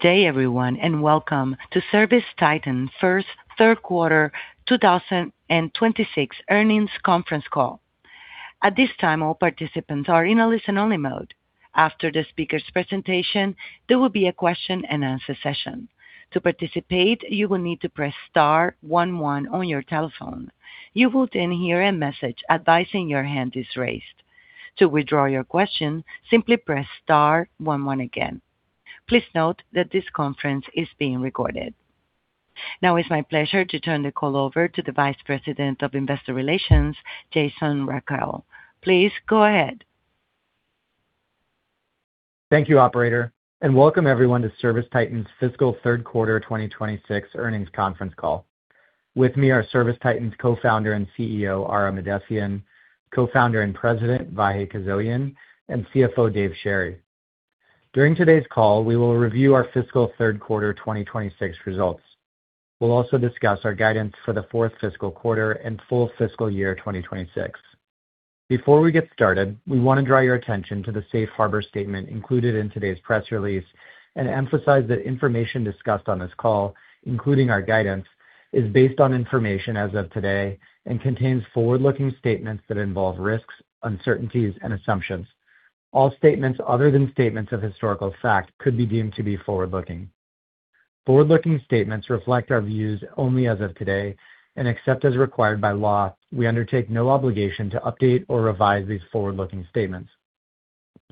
Good day, everyone, and welcome to ServiceTitan's first third-quarter 2026 earnings conference call. At this time, all participants are in a listen-only mode. After the speaker's presentation, there will be a question-and-answer session. To participate, you will need to press star one one on your telephone. You will then hear a message advising your hand is raised. To withdraw your question, simply press star one one again. Please note that this conference is being recorded. Now, it's my pleasure to turn the call over to the Vice President of Investor Relations, Jason Rechel. Please go ahead. Thank you, Operator, and welcome everyone to ServiceTitan's fiscal third-quarter 2026 earnings conference call. With me are ServiceTitan's co-founder and CEO, Ara Mahdessian, co-founder and President, Vahe Kuzoyan, and CFO, Dave Sherry. During today's call, we will review our fiscal third-quarter 2026 results. We'll also discuss our guidance for the fourth fiscal quarter and full fiscal year 2026. Before we get started, we want to draw your attention to the safe harbor statement included in today's press release and emphasize that information discussed on this call, including our guidance, is based on information as of today and contains forward-looking statements that involve risks, uncertainties, and assumptions. All statements other than statements of historical fact could be deemed to be forward-looking. Forward-looking statements reflect our views only as of today, and except as required by law, we undertake no obligation to update or revise these forward-looking statements.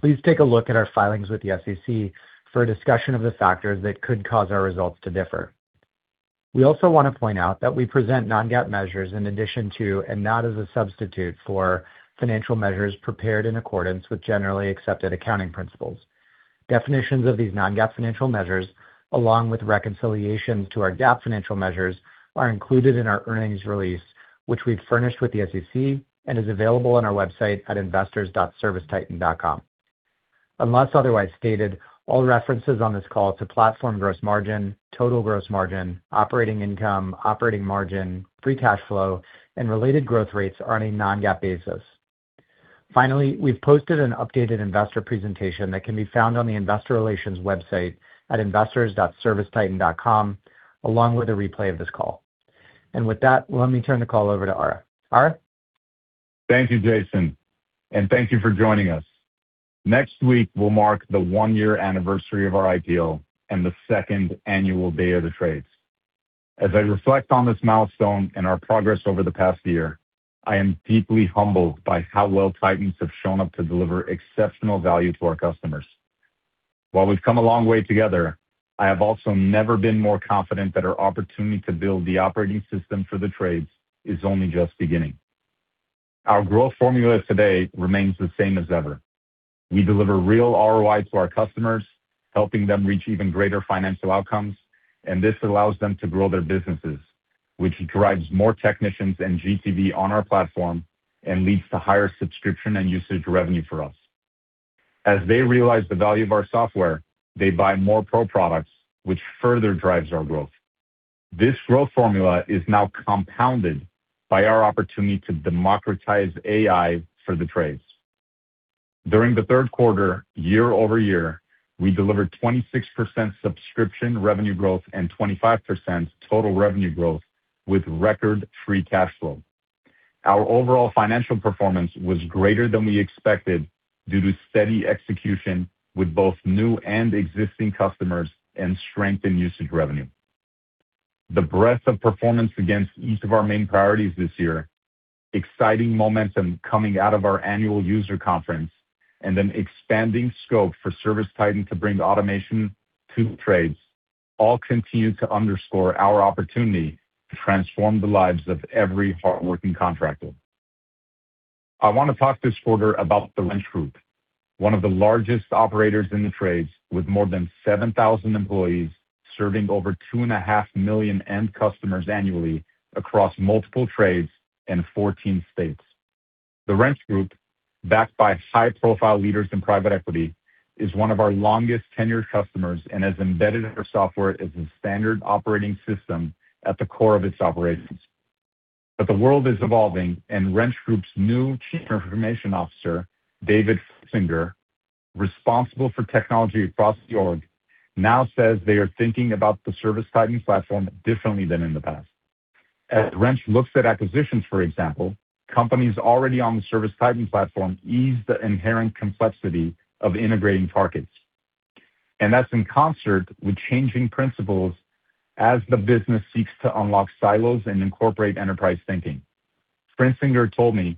Please take a look at our filings with the SEC for a discussion of the factors that could cause our results to differ. We also want to point out that we present non-GAAP measures in addition to, and not as a substitute for, financial measures prepared in accordance with generally accepted accounting principles. Definitions of these non-GAAP financial measures, along with reconciliations to our GAAP financial measures, are included in our earnings release, which we've furnished with the SEC and is available on our website at investors.servicetitan.com. Unless otherwise stated, all references on this call to platform gross margin, total gross margin, operating income, operating margin, free cash flow, and related growth rates are on a non-GAAP basis. Finally, we've posted an updated investor presentation that can be found on the Investor Relations website at investors.servicetitan.com, along with a replay of this call. And with that, let me turn the call over to Ara. Ara? Thank you, Jason, and thank you for joining us. Next week, we'll mark the one-year anniversary of our IPO and the second annual Day of the Trades. As I reflect on this milestone and our progress over the past year, I am deeply humbled by how well Titans have shown up to deliver exceptional value to our customers. While we've come a long way together, I have also never been more confident that our opportunity to build the operating system for the trades is only just beginning. Our growth formula today remains the same as ever. We deliver real ROI to our customers, helping them reach even greater financial outcomes, and this allows them to grow their businesses, which drives more technicians and GTV on our platform and leads to higher subscription and usage revenue for us. As they realize the value of our software, they buy more pro products, which further drives our growth. This growth formula is now compounded by our opportunity to democratize AI for the trades. During the third quarter, year over year, we delivered 26% subscription revenue growth and 25% total revenue growth with record free cash flow. Our overall financial performance was greater than we expected due to steady execution with both new and existing customers and strength in usage revenue. The breadth of performance against each of our main priorities this year, exciting momentum coming out of our annual user conference, and then expanding scope for ServiceTitan to bring automation to the trades all continue to underscore our opportunity to transform the lives of every hardworking contractor. I want to talk this quarter about the Wrench Group, one of the largest operators in the trades with more than 7,000 employees serving over 2.5 million end customers annually across multiple trades and 14 states. The Wrench Group, backed by high-profile leaders in private equity, is one of our longest-tenured customers and has embedded our software as a standard operating system at the core of its operations. But the world is evolving, and Wrench Group's new Chief Information Officer, David Fitzinger, responsible for technology across the org, now says they are thinking about the ServiceTitan platform differently than in the past. As Wrench looks at acquisitions, for example, companies already on the ServiceTitan platform ease the inherent complexity of integrating targets. And that's in concert with changing principles as the business seeks to unlock silos and incorporate enterprise thinking. Fitzinger told me,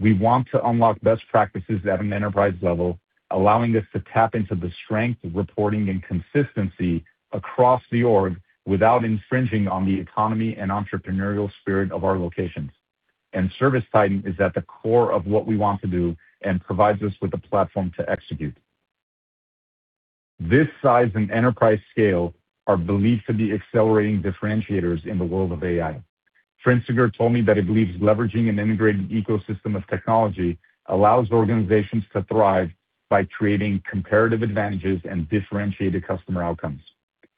"We want to unlock best practices at an enterprise level, allowing us to tap into the strength, reporting, and consistency across the org without infringing on the economy and entrepreneurial spirit of our locations." And ServiceTitan is at the core of what we want to do and provides us with a platform to execute. This size and enterprise scale are believed to be accelerating differentiators in the world of AI. Fitzinger told me that he believes leveraging an integrated ecosystem of technology allows organizations to thrive by creating comparative advantages and differentiated customer outcomes.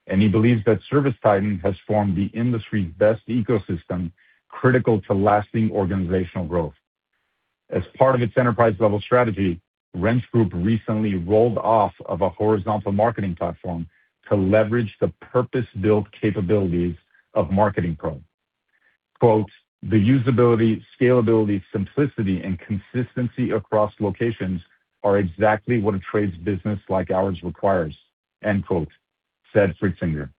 And he believes that ServiceTitan has formed the industry's best ecosystem critical to lasting organizational growth. As part of its enterprise-level strategy, Wrench Group recently rolled off of a horizontal marketing platform to leverage the purpose-built capabilities of Marketing Pro. The usability, scalability, simplicity, and consistency across locations are exactly what a trades business like ours requires," said Fitzinger.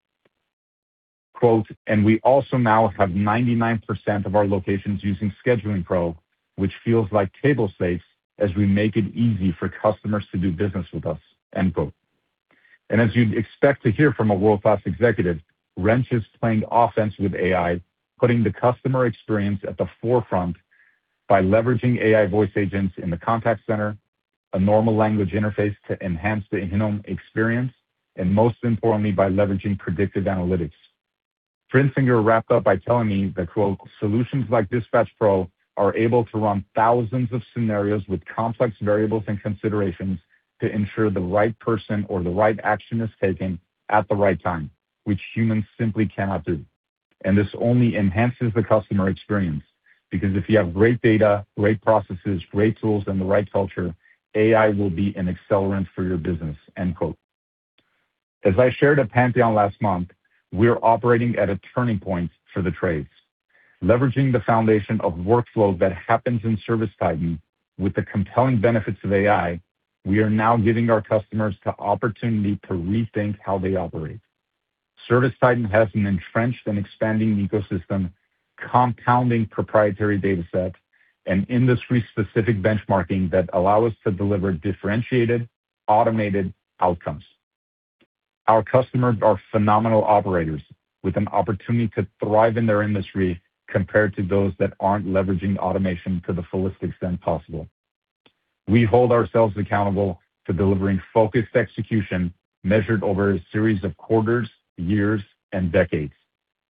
"And we also now have 99% of our locations using Scheduling Pro, which feels like table stakes as we make it easy for customers to do business with us." And as you'd expect to hear from a world-class executive, Wrench is playing offense with AI, putting the customer experience at the forefront by leveraging AI voice agents in the contact center, a natural language interface to enhance the in-home experience, and most importantly, by leveraging predictive analytics. Fitzinger wrapped up by telling me that, "Solutions like Dispatch Pro are able to run thousands of scenarios with complex variables and considerations to ensure the right person or the right action is taken at the right time, which humans simply cannot do. And this only enhances the customer experience because if you have great data, great processes, great tools, and the right culture, AI will be an accelerant for your business." As I shared at Pantheon last month, we're operating at a turning point for the trades. Leveraging the foundation of workflow that happens in ServiceTitan with the compelling benefits of AI, we are now giving our customers the opportunity to rethink how they operate. ServiceTitan has an entrenched and expanding ecosystem, compounding proprietary datasets, and industry-specific benchmarking that allow us to deliver differentiated, automated outcomes. Our customers are phenomenal operators with an opportunity to thrive in their industry compared to those that aren't leveraging automation to the fullest extent possible. We hold ourselves accountable to delivering focused execution measured over a series of quarters, years, and decades.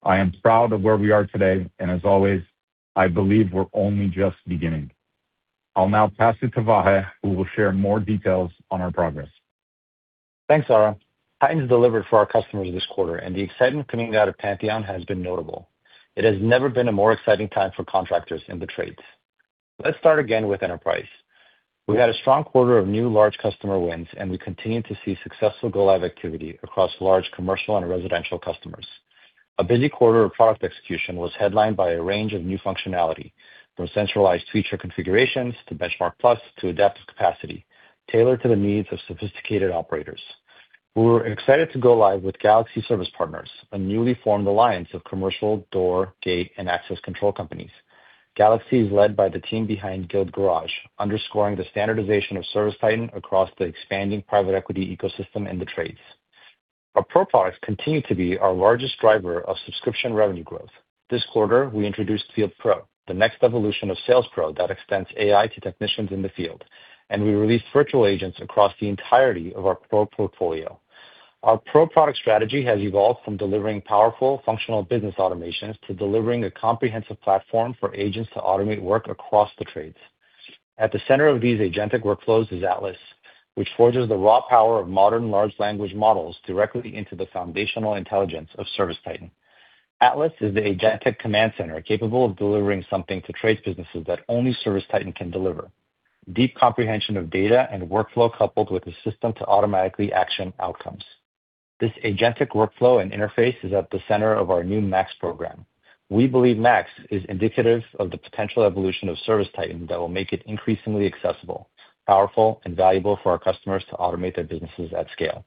I am proud of where we are today, and as always, I believe we're only just beginning. I'll now pass it to Vahe, who will share more details on our progress. Thanks, Ara. Titans delivered for our customers this quarter, and the excitement coming out of Pantheon has been notable. It has never been a more exciting time for contractors in the trades. Let's start again with enterprise. We had a strong quarter of new large customer wins, and we continued to see successful go-live activity across large commercial and residential customers. A busy quarter of product execution was headlined by a range of new functionality, from centralized feature configurations to Benchmark Plus to adaptive capacity tailored to the needs of sophisticated operators. We were excited to go live with Galaxy Service Partners, a newly formed alliance of commercial, door, gate, and access control companies. Galaxy is led by the team behind Guild Garage, underscoring the standardization of ServiceTitan across the expanding private equity ecosystem in the trades. Our pro products continue to be our largest driver of subscription revenue growth. This quarter, we introduced Field Pro, the next evolution of Sales Pro that extends AI to technicians in the field, and we released virtual agents across the entirety of our pro portfolio. Our pro product strategy has evolved from delivering powerful, functional business automations to delivering a comprehensive platform for agents to automate work across the trades. At the center of these agentic workflows is Atlas, which forges the raw power of modern large language models directly into the foundational intelligence of ServiceTitan. Atlas is the agentic command center capable of delivering something to trades businesses that only ServiceTitan can deliver: deep comprehension of data and workflow coupled with a system to automatically action outcomes. This agentic workflow and interface is at the center of our new MAX program. We believe MAX is indicative of the potential evolution of ServiceTitan that will make it increasingly accessible, powerful, and valuable for our customers to automate their businesses at scale.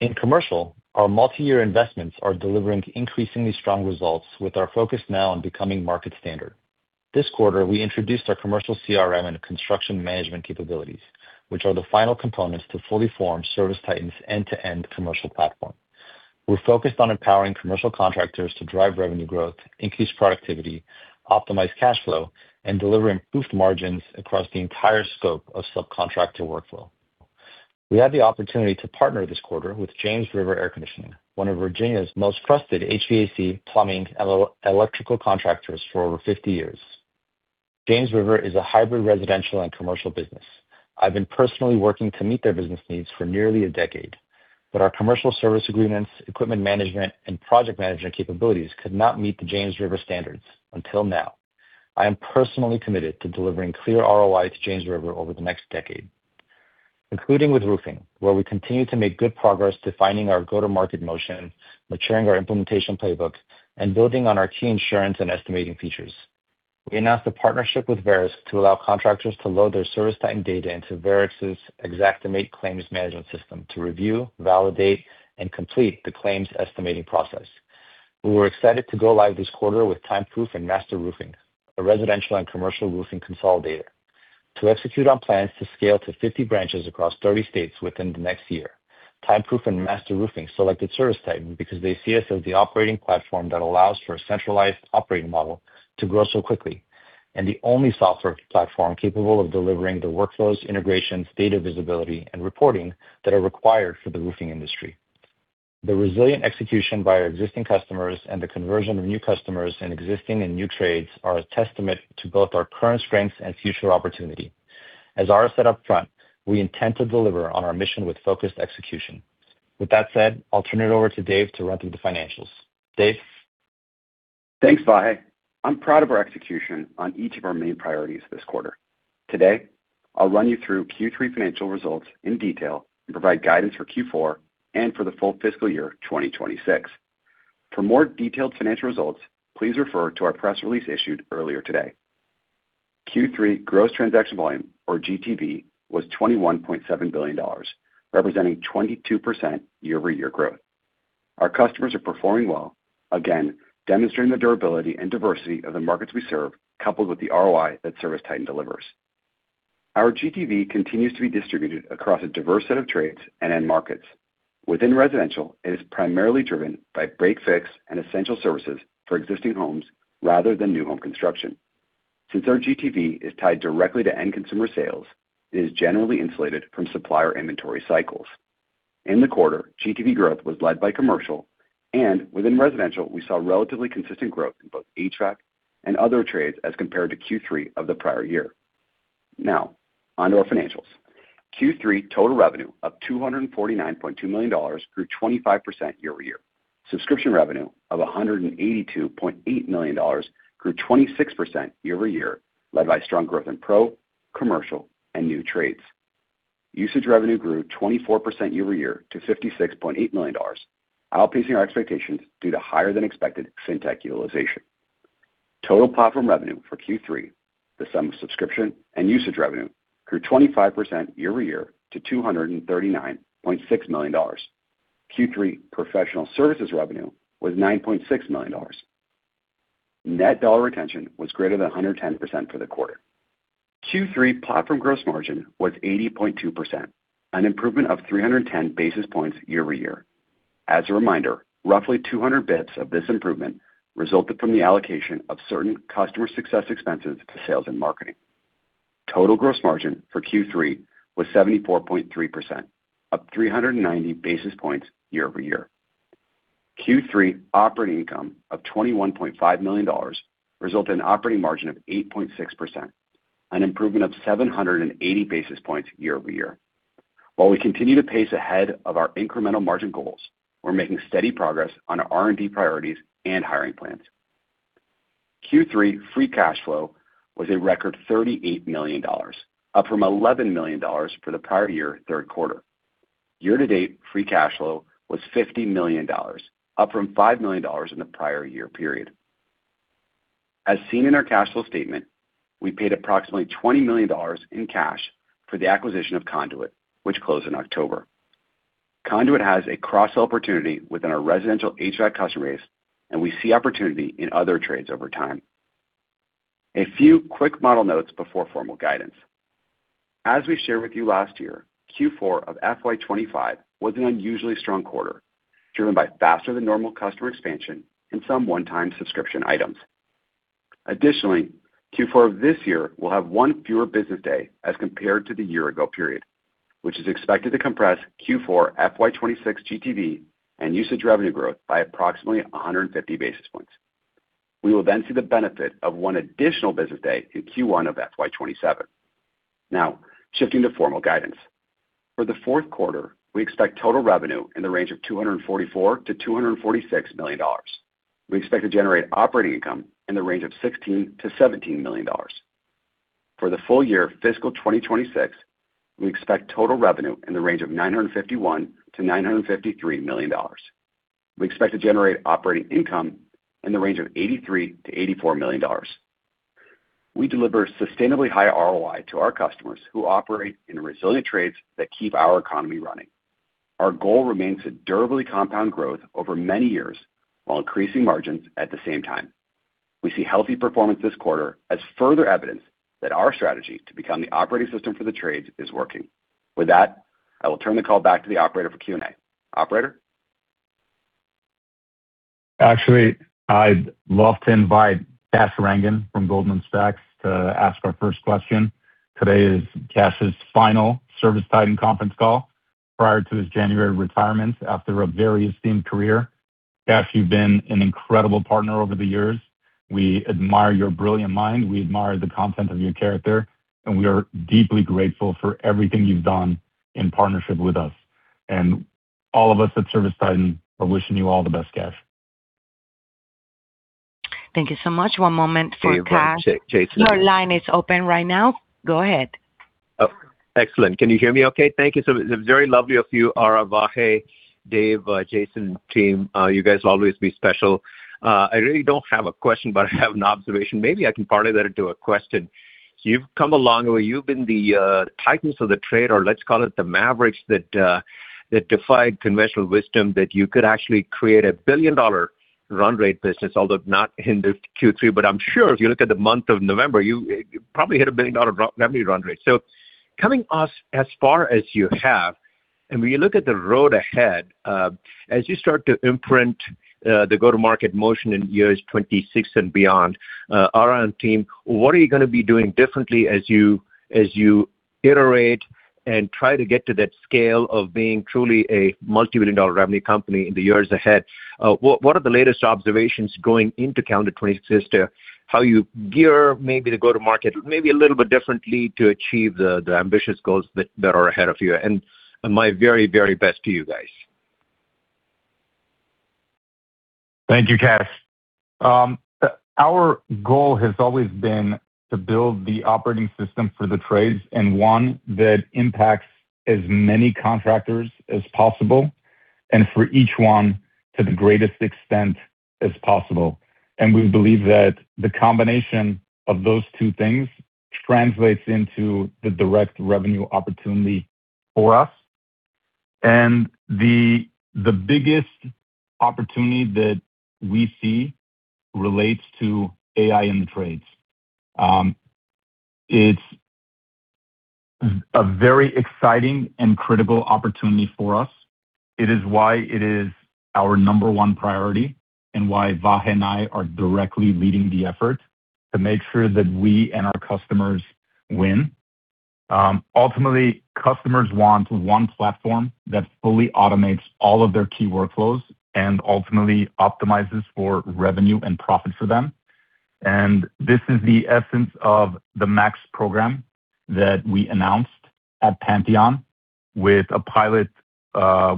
In commercial, our multi-year investments are delivering increasingly strong results with our focus now on becoming market standard. This quarter, we introduced our commercial CRM and construction management capabilities, which are the final components to fully form ServiceTitan's end-to-end commercial platform. We're focused on empowering commercial contractors to drive revenue growth, increase productivity, optimize cash flow, and deliver improved margins across the entire scope of subcontractor workflow. We had the opportunity to partner this quarter with James River Air Conditioning, one of Virginia's most trusted HVAC, plumbing, and electrical contractors for over 50 years. James River is a hybrid residential and commercial business. I've been personally working to meet their business needs for nearly a decade, but our commercial service agreements, equipment management, and project management capabilities could not meet the James River standards until now. I am personally committed to delivering clear ROI to James River over the next decade, including with roofing, where we continue to make good progress defining our go-to-market motion, maturing our implementation playbook, and building on our key insurance and estimating features. We announced a partnership with Verisk to allow contractors to load their ServiceTitan data into Verisk's Xactimate Claims Management System to review, validate, and complete the claims estimating process. We were excited to go live this quarter with Timeproof and Master Roofing, a residential and commercial roofing consolidator, to execute on plans to scale to 50 branches across 30 states within the next year. Timeproof and Master Roofing selected ServiceTitan because they see us as the operating platform that allows for a centralized operating model to grow so quickly and the only software platform capable of delivering the workflows, integrations, data visibility, and reporting that are required for the roofing industry. The resilient execution by our existing customers and the conversion of new customers in existing and new trades are a testament to both our current strengths and future opportunity. As Ara said upfront, we intend to deliver on our mission with focused execution. With that said, I'll turn it over to Dave to run through the financials. Dave? Thanks, Vahe. I'm proud of our execution on each of our main priorities this quarter. Today, I'll run you through Q3 financial results in detail and provide guidance for Q4 and for the full fiscal year 2026. For more detailed financial results, please refer to our press release issued earlier today. Q3 gross transaction volume, or GTV, was $21.7 billion, representing 22% year-over-year growth. Our customers are performing well, again, demonstrating the durability and diversity of the markets we serve, coupled with the ROI that ServiceTitan delivers. Our GTV continues to be distributed across a diverse set of trades and end markets. Within residential, it is primarily driven by break/fix and essential services for existing homes rather than new home construction. Since our GTV is tied directly to end consumer sales, it is generally insulated from supplier inventory cycles. In the quarter, GTV growth was led by commercial, and within residential, we saw relatively consistent growth in both HVAC and other trades as compared to Q3 of the prior year. Now, onto our financials. Q3 total revenue of $249.2 million grew 25% year-over-year. Subscription revenue of $182.8 million grew 26% year-over-year, led by strong growth in pro, commercial, and new trades. Usage revenue grew 24% year-over-year to $56.8 million, outpacing our expectations due to higher-than-expected fintech utilization. Total platform revenue for Q3, the sum of subscription and usage revenue, grew 25% year-over-year to $239.6 million. Q3 professional services revenue was $9.6 million. Net dollar retention was greater than 110% for the quarter. Q3 platform gross margin was 80.2%, an improvement of 310 basis points year-over-year. As a reminder, roughly 200 basis points of this improvement resulted from the allocation of certain customer success expenses to sales and marketing. Total gross margin for Q3 was 74.3%, up 390 basis points year-over-year. Q3 operating income of $21.5 million resulted in an operating margin of 8.6%, an improvement of 780 basis points year-over-year. While we continue to pace ahead of our incremental margin goals, we're making steady progress on our R&D priorities and hiring plans. Q3 free cash flow was a record $38 million, up from $11 million for the prior year third quarter. Year-to-date, free cash flow was $50 million, up from $5 million in the prior year period. As seen in our cash flow statement, we paid approximately $20 million in cash for the acquisition of Conduit, which closed in October. Conduit has a cross-sell opportunity within our residential HVAC customer base, and we see opportunity in other trades over time. A few quick model notes before formal guidance. As we shared with you last year, Q4 of FY25 was an unusually strong quarter, driven by faster-than-normal customer expansion and some one-time subscription items. Additionally, Q4 of this year will have one fewer business day as compared to the year-ago period, which is expected to compress Q4 FY26 GTV and usage revenue growth by approximately 150 basis points. We will then see the benefit of one additional business day in Q1 of FY27. Now, shifting to formal guidance. For the fourth quarter, we expect total revenue in the range of $244-$246 million. We expect to generate operating income in the range of $16-$17 million. For the full year fiscal 2026, we expect total revenue in the range of $951-$953 million. We expect to generate operating income in the range of $83-$84 million. We deliver sustainably high ROI to our customers who operate in resilient trades that keep our economy running. Our goal remains to durably compound growth over many years while increasing margins at the same time. We see healthy performance this quarter as further evidence that our strategy to become the operating system for the trades is working. With that, I will turn the call back to the operator for Q&A. Operator? Actually, I'd love to invite Kash Rangan from Goldman Sachs to ask our first question. Today is Kash's final ServiceTitan conference call prior to his January retirement after a very esteemed career. Kash, you've been an incredible partner over the years. We admire your brilliant mind. We admire the content of your character, and we are deeply grateful for everything you've done in partnership with us, and all of us at ServiceTitan are wishing you all the best, Kash. Thank you so much. One moment for Kash. Your line is open right now. Go ahead. Excellent. Can you hear me okay? Thank you. It's very lovely of you, Ara, Vahe, Dave, Jason, team. You guys will always be special. I really don't have a question, but I have an observation. Maybe I can partly let it into a question. You've come a long way. You've been the titans of the trade, or let's call it the Mavericks that defied conventional wisdom, that you could actually create a billion-dollar run-rate business, although not in the Q3, but I'm sure if you look at the month of November, you probably hit a billion-dollar revenue run-rate. So coming as far as you have, and when you look at the road ahead, as you start to imprint the go-to-market motion in 2026 and beyond, Ara and team, what are you going to be doing differently as you iterate and try to get to that scale of being truly a multi-billion-dollar revenue company in the years ahead? What are the latest observations going into calendar 2026 as to how you gear maybe the go-to-market maybe a little bit differently to achieve the ambitious goals that are ahead of you? And my very, very best to you guys. Thank you, Kash. Our goal has always been to build the operating system for the trades in one that impacts as many contractors as possible and for each one to the greatest extent as possible. And we believe that the combination of those two things translates into the direct revenue opportunity for us. And the biggest opportunity that we see relates to AI in the trades. It's a very exciting and critical opportunity for us. It is why it is our number one priority and why Vahe and I are directly leading the effort to make sure that we and our customers win. Ultimately, customers want one platform that fully automates all of their key workflows and ultimately optimizes for revenue and profits for them. And this is the essence of the MAX program that we announced at Pantheon with a pilot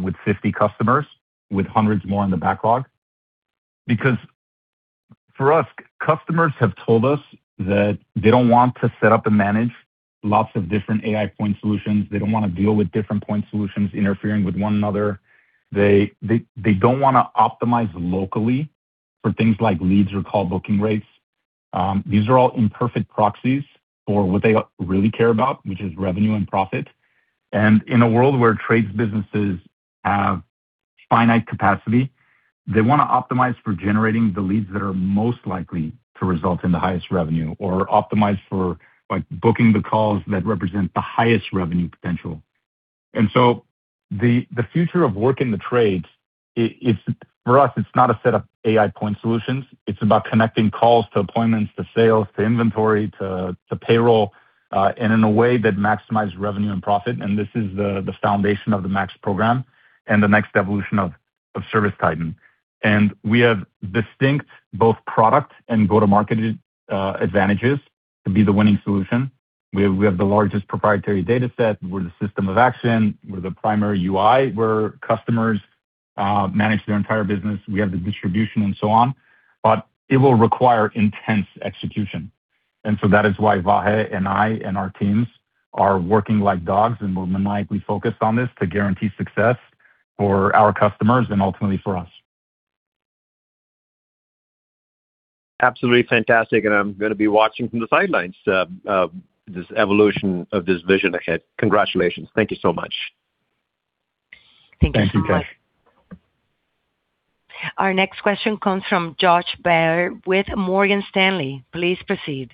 with 50 customers, with hundreds more in the backlog. Because for us, customers have told us that they don't want to set up and manage lots of different AI point solutions. They don't want to deal with different point solutions interfering with one another. They don't want to optimize locally for things like leads or call booking rates. These are all imperfect proxies for what they really care about, which is revenue and profit. And in a world where trades businesses have finite capacity, they want to optimize for generating the leads that are most likely to result in the highest revenue or optimize for booking the calls that represent the highest revenue potential. And so the future of work in the trades, for us, it's not a set of AI point solutions. It's about connecting calls to appointments, to sales, to inventory, to payroll, and in a way that maximizes revenue and profit. And this is the foundation of the MAX program and the next evolution of ServiceTitan. And we have distinct both product and go-to-market advantages to be the winning solution. We have the largest proprietary dataset. We're the system of action. We're the primary UI where customers manage their entire business. We have the distribution and so on. But it will require intense execution. And so that is why Vahe and I and our teams are working like dogs and we're maniacally focused on this to guarantee success for our customers and ultimately for us. Absolutely fantastic, and I'm going to be watching from the sidelines this evolution of this vision ahead. Congratulations. Thank you so much. Thank you, Kash. Thank you, Kash. Our next question comes from Josh Baer with Morgan Stanley. Please proceed.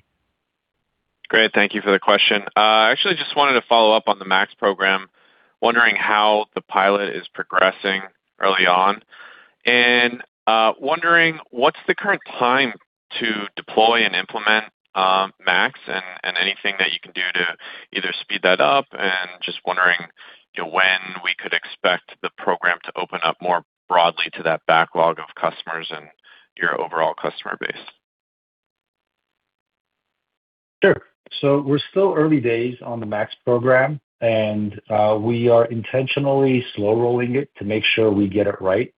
Great. Thank you for the question. I actually just wanted to follow up on the MAX program, wondering how the pilot is progressing early on. And wondering, what's the current time to deploy and implement MAX and anything that you can do to either speed that up? And just wondering when we could expect the program to open up more broadly to that backlog of customers and your overall customer base. Sure. So we're still early days on the MAX program, and we are intentionally slow-rolling it to make sure we get it right.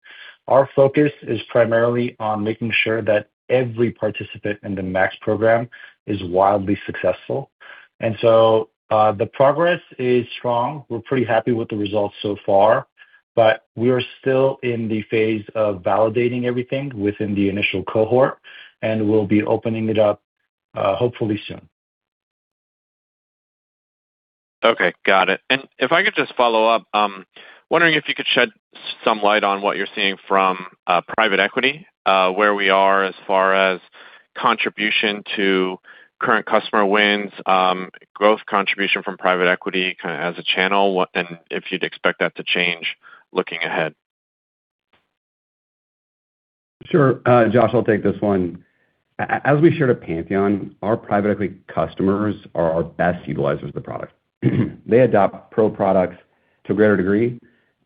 Our focus is primarily on making sure that every participant in the MAX program is wildly successful, and so the progress is strong. We're pretty happy with the results so far, but we are still in the phase of validating everything within the initial cohort, and we'll be opening it up hopefully soon. Okay. Got it. And if I could just follow up, wondering if you could shed some light on what you're seeing from private equity, where we are as far as contribution to current customer wins, growth contribution from private equity kind of as a channel, and if you'd expect that to change looking ahead? Sure. Josh, I'll take this one. As we shared at Pantheon, our private equity customers are our best utilizers of the product. They adopt pro products to a greater degree,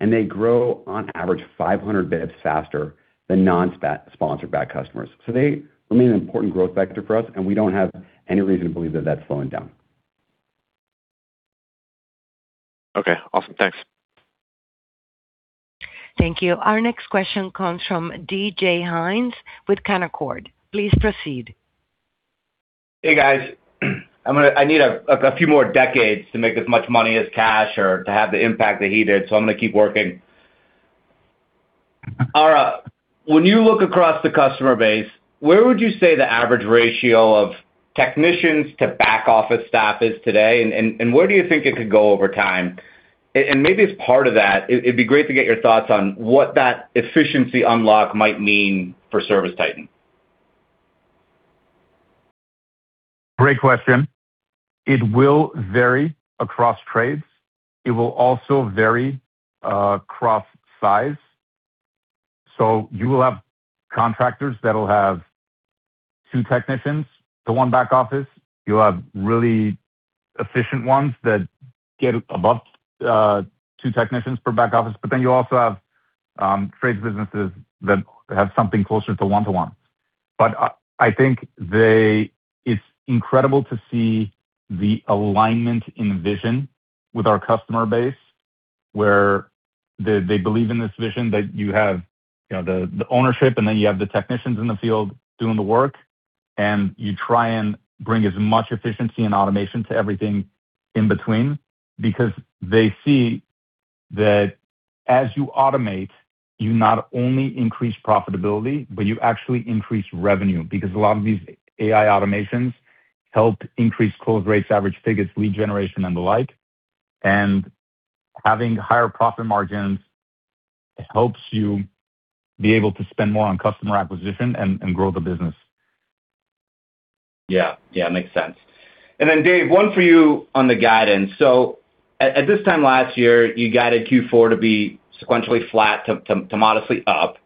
and they grow on average 500 basis points faster than non-sponsored-backed customers. So they remain an important growth factor for us, and we don't have any reason to believe that that's slowing down. Okay. Awesome. Thanks. Thank you. Our next question comes from DJ Hynes with Canaccord. Please proceed. Hey, guys. I need a few more decades to make as much money as Kash or to have the impact that he did, so I'm going to keep working. Ara, when you look across the customer base, where would you say the average ratio of technicians to back office staff is today? And where do you think it could go over time? And maybe as part of that, it'd be great to get your thoughts on what that efficiency unlock might mean for ServiceTitan. Great question. It will vary across trades. It will also vary across size. So you will have contractors that'll have two technicians, the one back office. You'll have really efficient ones that get above two technicians per back office. But then you also have trades businesses that have something closer to one-to-one. But I think it's incredible to see the alignment in vision with our customer base where they believe in this vision that you have the ownership, and then you have the technicians in the field doing the work, and you try and bring as much efficiency and automation to everything in between because they see that as you automate, you not only increase profitability, but you actually increase revenue because a lot of these AI automations help increase close rates, average tickets, lead generation, and the like. Having higher profit margins helps you be able to spend more on customer acquisition and grow the business. Yeah. Yeah. Makes sense. And then, Dave, one for you on the guidance. So at this time last year, you guided Q4 to be sequentially flat to modestly up.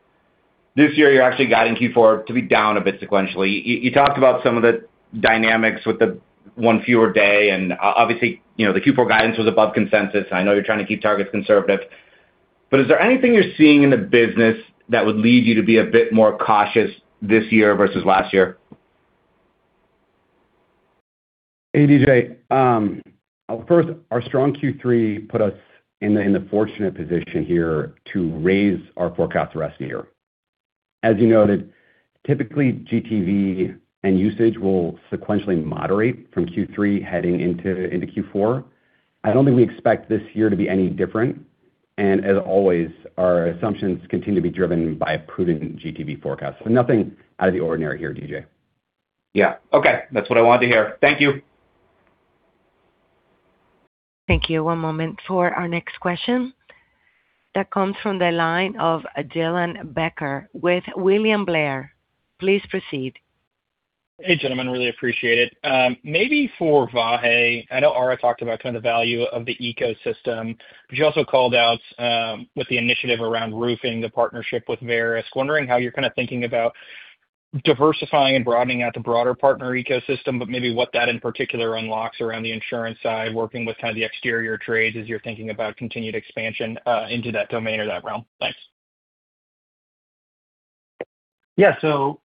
This year, you're actually guiding Q4 to be down a bit sequentially. You talked about some of the dynamics with the one fewer day, and obviously, the Q4 guidance was above consensus. I know you're trying to keep targets conservative. But is there anything you're seeing in the business that would lead you to be a bit more cautious this year versus last year? Hey, DJ First, our strong Q3 put us in the fortunate position here to raise our forecast for the rest of the year. As you noted, typically, GTV and usage will sequentially moderate from Q3 heading into Q4. I don't think we expect this year to be any different. And as always, our assumptions continue to be driven by a prudent GTV forecast. So nothing out of the ordinary here, DJ. Yeah. Okay. That's what I wanted to hear. Thank you. Thank you. One moment for our next question that comes from the line of Dylan Becker with William Blair. Please proceed. Hey, gentlemen. Really appreciate it. Maybe for Vahe, I know Ara talked about kind of the value of the ecosystem, but you also called out with the initiative around roofing, the partnership with Verisk. Wondering how you're kind of thinking about diversifying and broadening out the broader partner ecosystem, but maybe what that in particular unlocks around the insurance side, working with kind of the exterior trades as you're thinking about continued expansion into that domain or that realm? Thanks. Yeah. So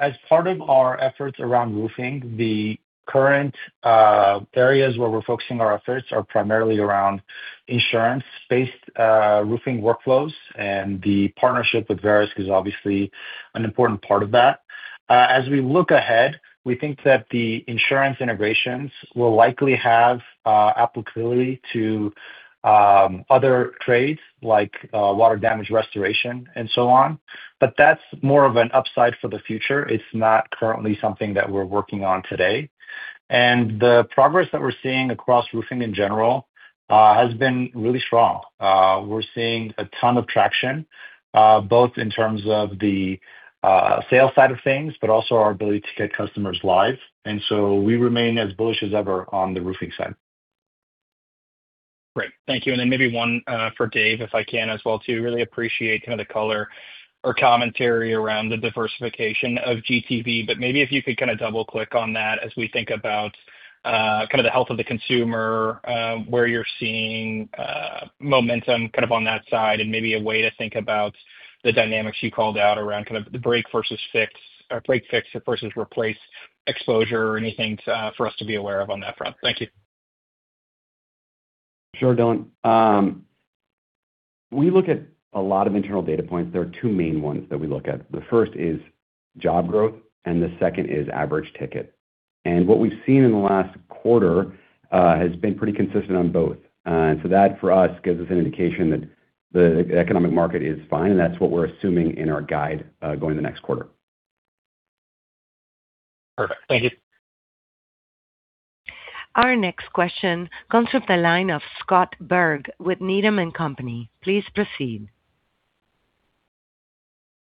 as part of our efforts around roofing, the current areas where we're focusing our efforts are primarily around insurance-based roofing workflows and the partnership with Verisk is obviously an important part of that. As we look ahead, we think that the insurance integrations will likely have applicability to other trades like water damage restoration and so on. But that's more of an upside for the future. It's not currently something that we're working on today. And the progress that we're seeing across roofing in general has been really strong. We're seeing a ton of traction both in terms of the sales side of things, but also our ability to get customers live. And so we remain as bullish as ever on the roofing side. Great. Thank you. And then maybe one for Dave, if I can as well too. Really appreciate kind of the color or commentary around the diversification of GTV. But maybe if you could kind of double-click on that as we think about kind of the health of the consumer, where you're seeing momentum kind of on that side, and maybe a way to think about the dynamics you called out around kind of the break versus fix or break fix versus replace exposure or anything for us to be aware of on that front? Thank you. Sure, Dylan. We look at a lot of internal data points. There are two main ones that we look at. The first is job growth, and the second is average ticket, and what we've seen in the last quarter has been pretty consistent on both, and so that for us gives us an indication that the economic market is fine, and that's what we're assuming in our guide going the next quarter. Perfect. Thank you. Our next question comes from the line of Scott Berg with Needham & Company. Please proceed.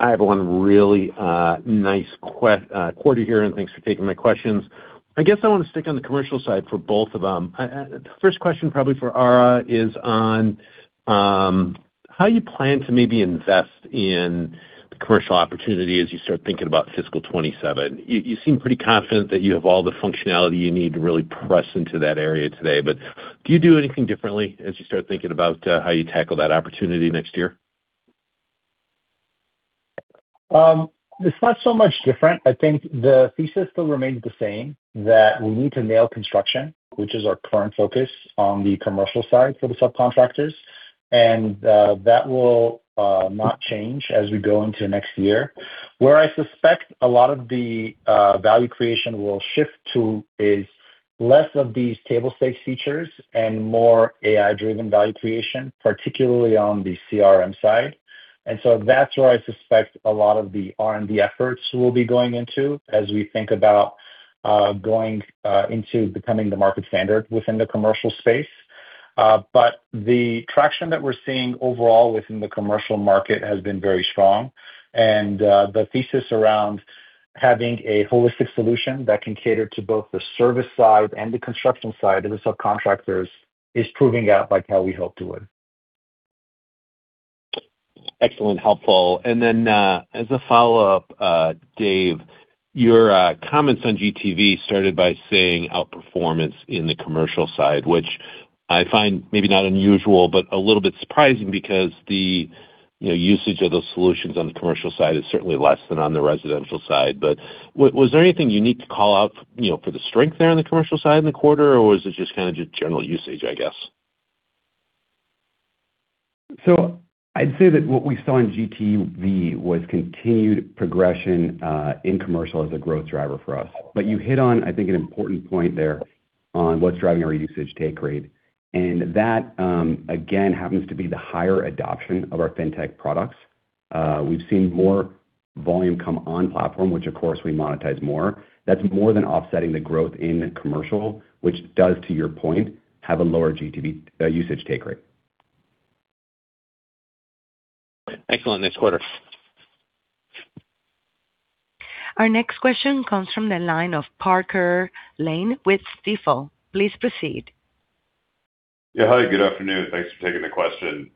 Hi, everyone. Really nice quarter here, and thanks for taking my questions. I guess I want to stick on the commercial side for both of them. The first question probably for Ara is on how you plan to maybe invest in the commercial opportunity as you start thinking about fiscal 2027. You seem pretty confident that you have all the functionality you need to really press into that area today, but do you do anything differently as you start thinking about how you tackle that opportunity next year? It's not so much different. I think the thesis still remains the same that we need to nail construction, which is our current focus on the commercial side for the subcontractors. And that will not change as we go into next year. Where I suspect a lot of the value creation will shift to is less of these table stakes features and more AI-driven value creation, particularly on the CRM side. And so that's where I suspect a lot of the R&D efforts will be going into as we think about going into becoming the market standard within the commercial space. But the traction that we're seeing overall within the commercial market has been very strong. And the thesis around having a holistic solution that can cater to both the service side and the construction side of the subcontractors is proving out by how we hope to win. Excellent. Helpful. And then as a follow-up, Dave, your comments on GTV started by saying outperformance in the commercial side, which I find maybe not unusual, but a little bit surprising because the usage of those solutions on the commercial side is certainly less than on the residential side. But was there anything unique to call out for the strength there on the commercial side in the quarter, or was it just kind of general usage, I guess? So I'd say that what we saw in GTV was continued progression in commercial as a growth driver for us. But you hit on, I think, an important point there on what's driving our usage take rate. And that, again, happens to be the higher adoption of our fintech products. We've seen more volume come on platform, which, of course, we monetize more. That's more than offsetting the growth in commercial, which does, to your point, have a lower GTV usage take rate. Excellent. Next quarter. Our next question comes from the line of Parker Lane with Stifel. Please proceed. Yeah. Hi, good afternoon. Thanks for taking the question.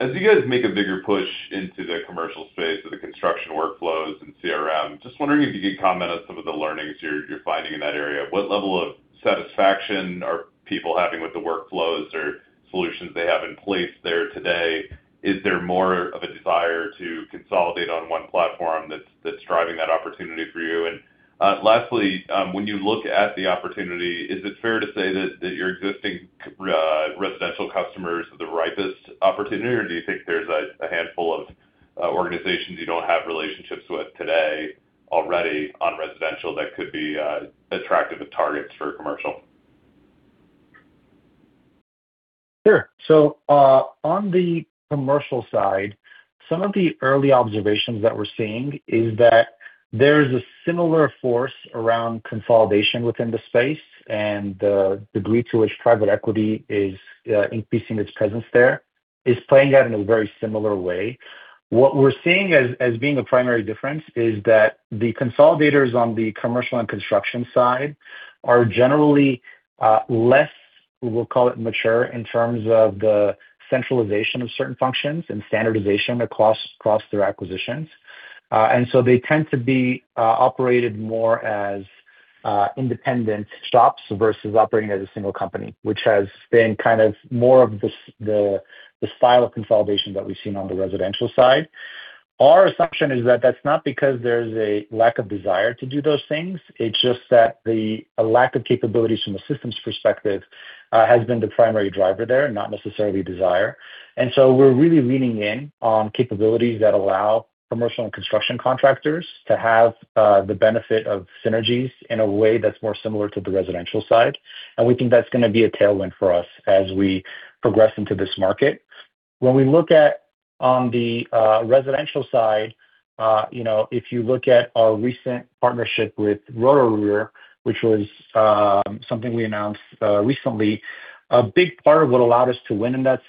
As you guys make a bigger push into the commercial space of the construction workflows and CRM, just wondering if you could comment on some of the learnings you're finding in that area. What level of satisfaction are people having with the workflows or solutions they have in place there today? Is there more of a desire to consolidate on one platform that's driving that opportunity for you? And lastly, when you look at the opportunity, is it fair to say that your existing residential customers are the ripest opportunity, or do you think there's a handful of organizations you don't have relationships with today already on residential that could be attractive targets for commercial? Sure, so on the commercial side, some of the early observations that we're seeing is that there is a similar force around consolidation within the space, and the degree to which private equity is increasing its presence there is playing out in a very similar way. What we're seeing as being a primary difference is that the consolidators on the commercial and construction side are generally less, we'll call it mature in terms of the centralization of certain functions and standardization across their acquisitions. And so they tend to be operated more as independent shops versus operating as a single company, which has been kind of more of the style of consolidation that we've seen on the residential side. Our assumption is that that's not because there's a lack of desire to do those things. It's just that the lack of capabilities from the systems perspective has been the primary driver there, not necessarily desire. And so we're really leaning in on capabilities that allow commercial and construction contractors to have the benefit of synergies in a way that's more similar to the residential side. And we think that's going to be a tailwind for us as we progress into this market. When we look at the residential side, if you look at our recent partnership with Roto-Rooter, which was something we announced recently, a big part of what allowed us to win in that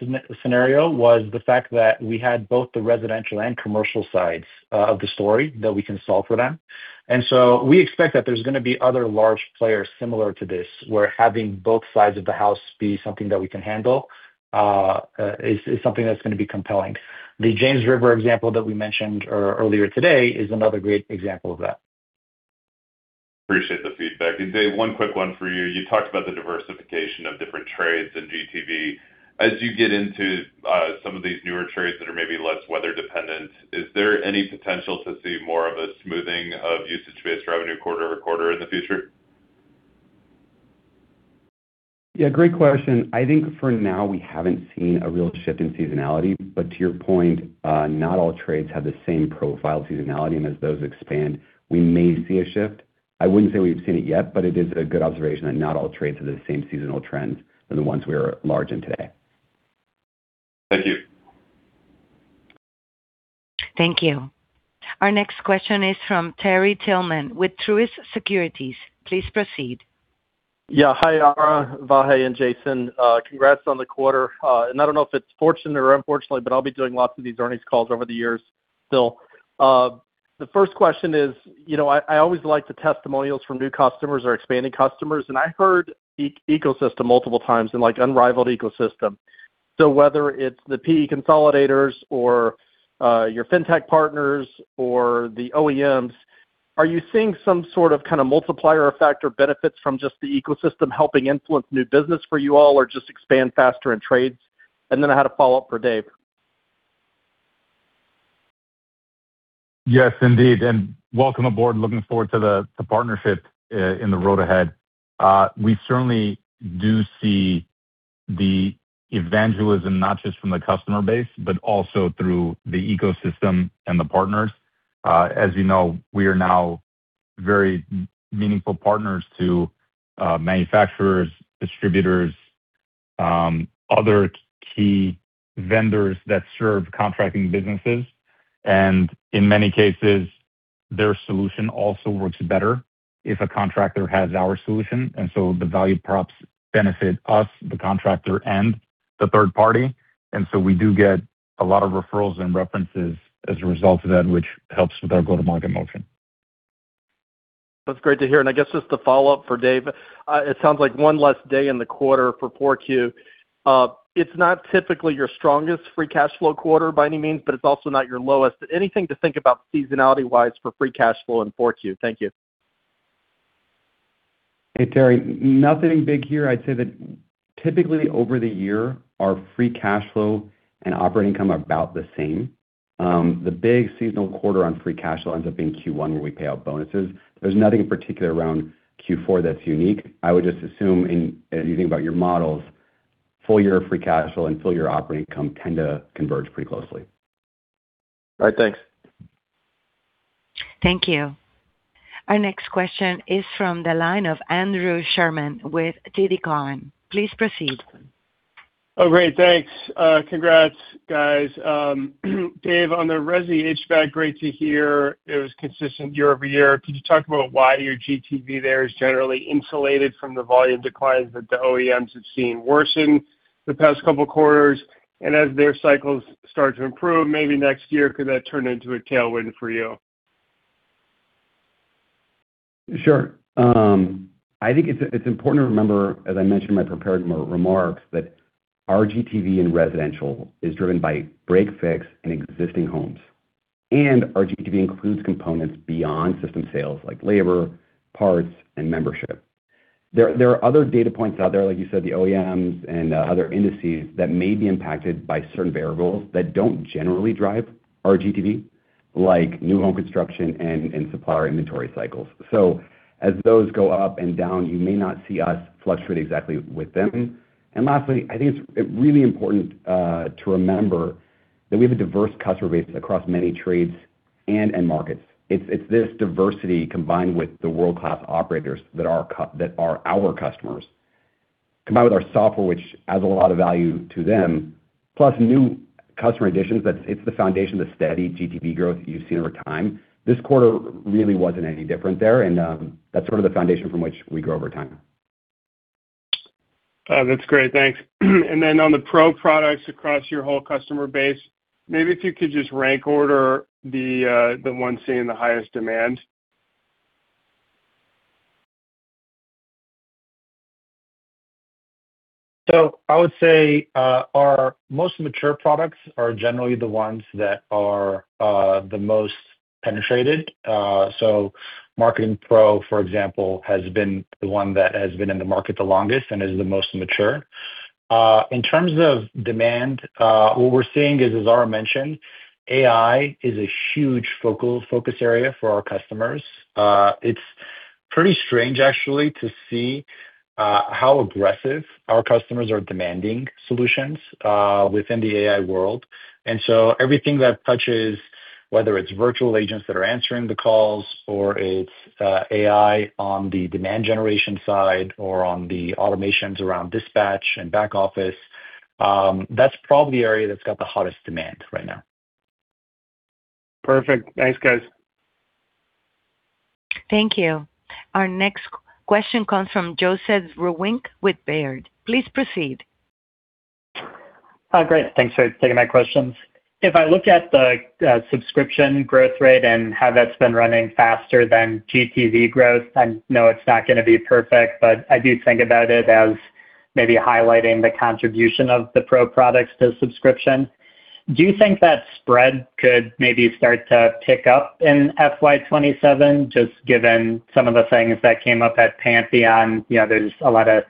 scenario was the fact that we had both the residential and commercial sides of the story that we can solve for them. And so we expect that there's going to be other large players similar to this where having both sides of the house be something that we can handle is something that's going to be compelling. The James River example that we mentioned earlier today is another great example of that. Appreciate the feedback. And Dave, one quick one for you. You talked about the diversification of different trades in GTV. As you get into some of these newer trades that are maybe less weather-dependent, is there any potential to see more of a smoothing of usage-based revenue quarter to quarter in the future? Yeah. Great question. I think for now, we haven't seen a real shift in seasonality. But to your point, not all trades have the same profile seasonality. And as those expand, we may see a shift. I wouldn't say we've seen it yet, but it is a good observation that not all trades have the same seasonal trends than the ones we are large in today. Thank you. Thank you. Our next question is from Terry Tillman with Truist Securities. Please proceed. Yeah. Hi, Ara, Vahe, and Jason. Congrats on the quarter. And I don't know if it's fortunate or unfortunate, but I'll be doing lots of these earnings calls over the years still. The first question is I always like the testimonials from new customers or expanding customers. And I heard ecosystem multiple times and unrivaled ecosystem. So whether it's the PE consolidators or your fintech partners or the OEMs, are you seeing some sort of kind of multiplier effect or benefits from just the ecosystem helping influence new business for you all or just expand faster in trades? And then I had a follow-up for Dave. Yes, indeed, and welcome aboard. Looking forward to the partnership on the road ahead. We certainly do see the evangelism not just from the customer base, but also through the ecosystem and the partners. As you know, we are now very meaningful partners to manufacturers, distributors, other key vendors that serve contracting businesses, and in many cases, their solution also works better if a contractor has our solution, and so the value props benefit us, the contractor, and the third party, and so we do get a lot of referrals and references as a result of that, which helps with our go-to-market motion. That's great to hear. And I guess just to follow up for Dave, it sounds like one less day in the quarter for 4Q. It's not typically your strongest free cash flow quarter by any means, but it's also not your lowest. Anything to think about seasonality-wise for free cash flow in 4Q? Thank you. Hey, Terry. Nothing big here. I'd say that typically over the year, our free cash flow and operating income come about the same. The big seasonal quarter on free cash flow ends up being Q1, where we pay out bonuses. There's nothing in particular around Q4 that's unique. I would just assume, and you think about your models, full year of free cash flow and full year operating income tend to converge pretty closely. All right. Thanks. Thank you. Our next question is from the line of Andrew Sherman with TD Cowen. Please proceed. Oh, great. Thanks. Congrats, guys. Dave, on the residential HVAC, great to hear. It was consistent year over year. Could you talk about why your GTV there is generally insulated from the volume declines that the OEMs have seen worsen the past couple of quarters, and as their cycles start to improve, maybe next year, could that turn into a tailwind for you? Sure. I think it's important to remember, as I mentioned in my prepared remarks, that our GTV in residential is driven by break fix in existing homes. And our GTV includes components beyond system sales like labor, parts, and membership. There are other data points out there, like you said, the OEMs and other indices that may be impacted by certain variables that don't generally drive our GTV, like new home construction and supplier inventory cycles. So as those go up and down, you may not see us fluctuate exactly with them. And lastly, I think it's really important to remember that we have a diverse customer base across many trades and markets. It's this diversity combined with the world-class operators that are our customers, combined with our software, which adds a lot of value to them, plus new customer additions. It's the foundation of the steady GTV growth you've seen over time. This quarter really wasn't any different there. And that's sort of the foundation from which we grow over time. That's great. Thanks. And then on the pro products across your whole customer base, maybe if you could just rank order the ones seeing the highest demand. So I would say our most mature products are generally the ones that are the most penetrated. So Marketing Pro, for example, has been the one that has been in the market the longest and is the most mature. In terms of demand, what we're seeing is, as Ara mentioned, AI is a huge focus area for our customers. It's pretty strange, actually, to see how aggressive our customers are demanding solutions within the AI world. And so everything that touches, whether it's virtual agents that are answering the calls or it's AI on the demand generation side or on the automations around dispatch and back office, that's probably the area that's got the hottest demand right now. Perfect. Thanks, guys. Thank you. Our next question comes from Joe Vruwink with Baird. Please proceed. Hi, great. Thanks for taking my questions. If I look at the subscription growth rate and how that's been running faster than GTV growth, I know it's not going to be perfect, but I do think about it as maybe highlighting the contribution of the pro products to subscription. Do you think that spread could maybe start to pick up in FY27, just given some of the things that came up at Pantheon? There's a lot of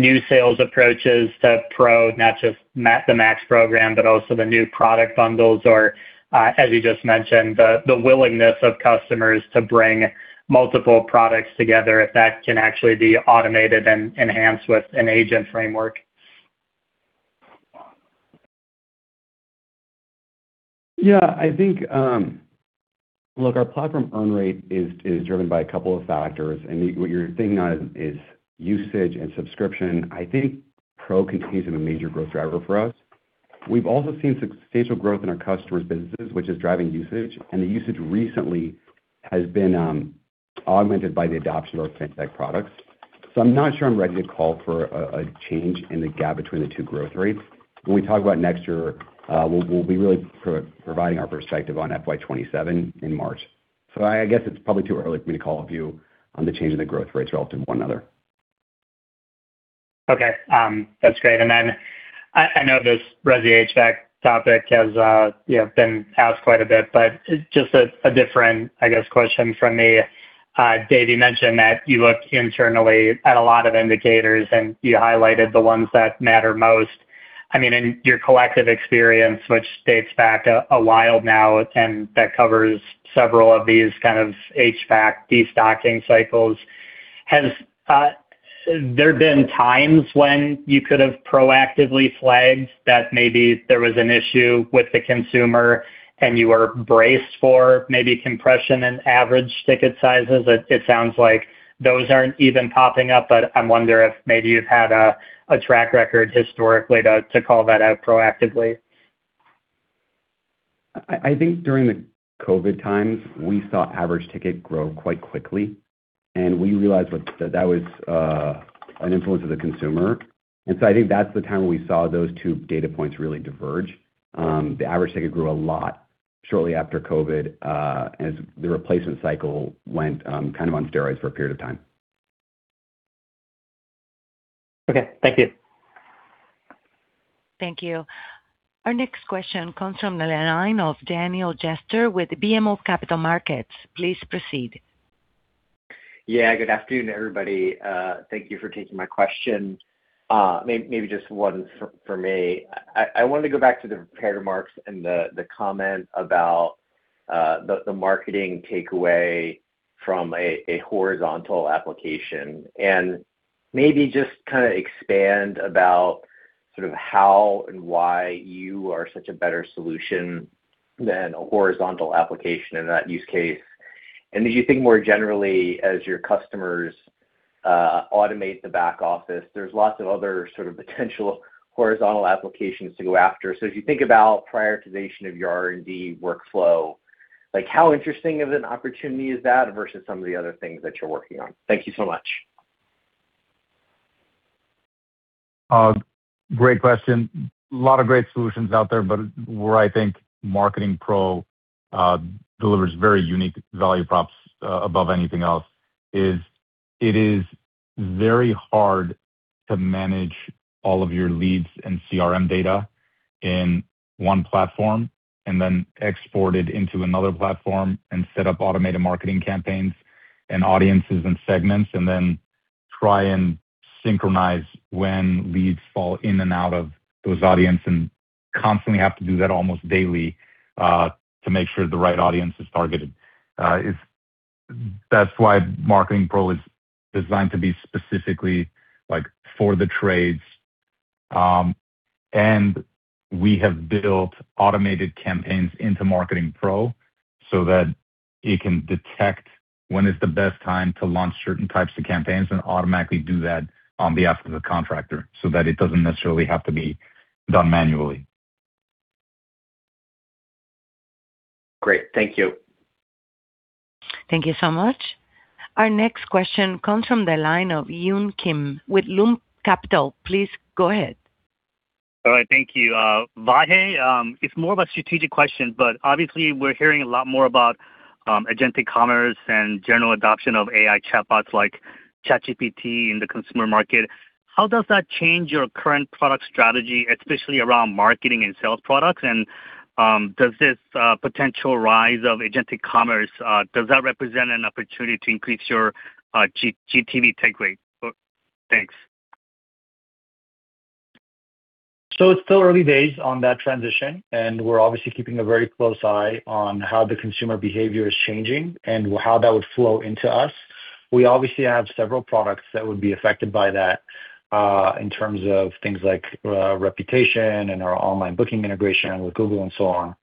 new sales approaches to Pro, not just the Max program, but also the new product bundles, or, as you just mentioned, the willingness of customers to bring multiple products together if that can actually be automated and enhanced with an agent framework. Yeah. I think, look, our platform earn rate is driven by a couple of factors. And what you're thinking on is usage and subscription. I think Pro continues to be a major growth driver for us. We've also seen substantial growth in our customers' businesses, which is driving usage. And the usage recently has been augmented by the adoption of our fintech products. So I'm not sure I'm ready to call for a change in the gap between the two growth rates. When we talk about next year, we'll be really providing our perspective on FY27 in March. So I guess it's probably too early for me to call on the change in the growth rates relative to one another. Okay. That's great, and then I know this residential topic has been asked quite a bit, but just a different, I guess, question from me. Dave, you mentioned that you looked internally at a lot of indicators, and you highlighted the ones that matter most. I mean, in your collective experience, which dates back a while now, and that covers several of these kind of HVAC destocking cycles, have there been times when you could have proactively flagged that maybe there was an issue with the consumer and you were braced for maybe compression and average ticket sizes? It sounds like those aren't even popping up, but I wonder if maybe you've had a track record historically to call that out proactively. I think during the COVID times, we saw average ticket grow quite quickly. And we realized that that was an influence of the consumer. And so I think that's the time where we saw those two data points really diverge. The average ticket grew a lot shortly after COVID as the replacement cycle went kind of on steroids for a period of time. Okay. Thank you. Thank you. Our next question comes from the line of Daniel Jester with BMO Capital Markets. Please proceed. Yeah. Good afternoon, everybody. Thank you for taking my question. Maybe just one for me. I wanted to go back to the repair remarks and the comment about the marketing takeaway from a horizontal application. And maybe just kind of expand about sort of how and why you are such a better solution than a horizontal application in that use case. And as you think more generally, as your customers automate the back office, there's lots of other sort of potential horizontal applications to go after. So as you think about prioritization of your R&D workflow, how interesting of an opportunity is that versus some of the other things that you're working on? Thank you so much. Great question. A lot of great solutions out there, but where I think Marketing Pro delivers very unique value props above anything else is it is very hard to manage all of your leads and CRM data in one platform and then export it into another platform and set up automated marketing campaigns and audiences and segments, and then try and synchronize when leads fall in and out of those audiences and constantly have to do that almost daily to make sure the right audience is targeted. That's why Marketing Pro is designed to be specifically for the trades, and we have built automated campaigns into Marketing Pro so that it can detect when is the best time to launch certain types of campaigns and automatically do that on behalf of the contractor so that it doesn't necessarily have to be done manually. Great. Thank you. Thank you so much. Our next question comes from the line of Yun Kim with Loop Capital. Please go ahead. All right. Thank you. Vahe, it's more of a strategic question, but obviously, we're hearing a lot more about agentic commerce and general adoption of AI chatbots like ChatGPT in the consumer market. How does that change your current product strategy, especially around marketing and sales products? And does this potential rise of agentic commerce, does that represent an opportunity to increase your GTV takeaway? Thanks. So it's still early days on that transition, and we're obviously keeping a very close eye on how the consumer behavior is changing and how that would flow into us. We obviously have several products that would be affected by that in terms of things like reputation and our online booking integration with Google and so on.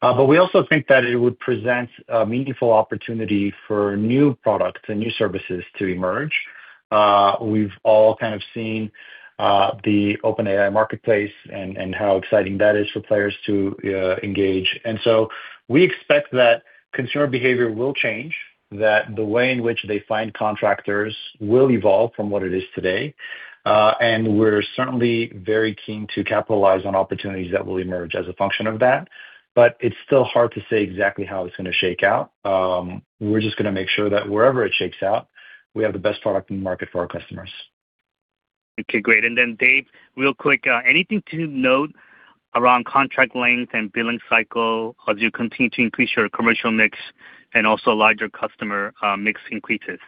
But we also think that it would present a meaningful opportunity for new products and new services to emerge. We've all kind of seen the OpenAI marketplace and how exciting that is for players to engage. And so we expect that consumer behavior will change, that the way in which they find contractors will evolve from what it is today. And we're certainly very keen to capitalize on opportunities that will emerge as a function of that. But it's still hard to say exactly how it's going to shake out. We're just going to make sure that wherever it shakes out, we have the best product in the market for our customers. Okay. Great. And then, Dave, real quick, anything to note around contract length and billing cycle as you continue to increase your commercial mix and also larger customer mix increases?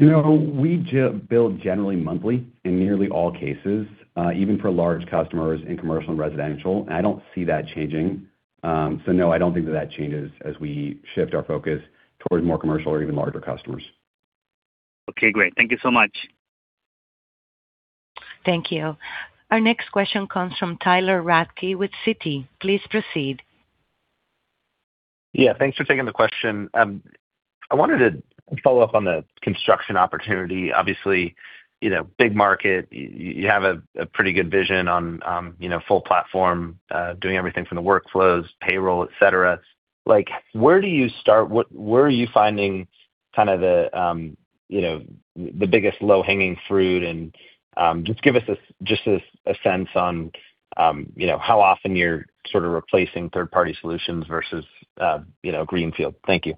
We build generally monthly in nearly all cases, even for large customers in commercial and residential. And I don't see that changing. So no, I don't think that that changes as we shift our focus towards more commercial or even larger customers. Okay. Great. Thank you so much. Thank you. Our next question comes from Tyler Radke with Citi. Please proceed. Yeah. Thanks for taking the question. I wanted to follow up on the construction opportunity. Obviously, big market, you have a pretty good vision on full platform, doing everything from the workflows, payroll, etc. Where do you start? Where are you finding kind of the biggest low-hanging fruit? And just give us just a sense on how often you're sort of replacing third-party solutions versus Greenfield. Thank you.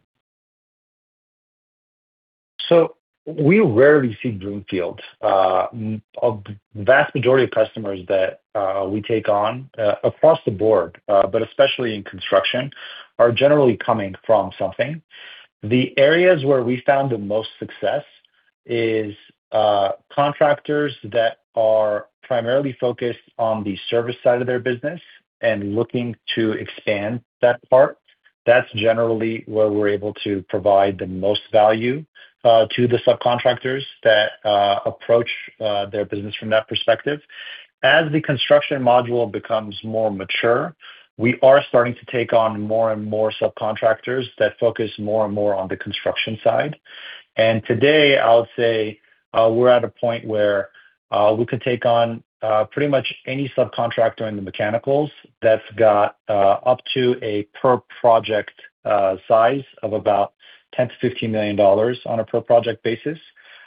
We rarely see Greenfield. The vast majority of customers that we take on across the board, but especially in construction, are generally coming from something. The areas where we found the most success are contractors that are primarily focused on the service side of their business and looking to expand that part. That's generally where we're able to provide the most value to the subcontractors that approach their business from that perspective. As the construction module becomes more mature, we are starting to take on more and more subcontractors that focus more and more on the construction side. And today, I would say we're at a point where we could take on pretty much any subcontractor in the mechanicals that's got up to a per-project size of about $10 million-$15 million on a per-project basis.